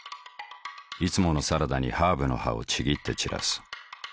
いつものサラダにハーブの葉をちぎって散らす。